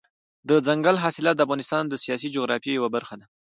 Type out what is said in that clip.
دځنګل حاصلات د افغانستان د سیاسي جغرافیې یوه برخه ده.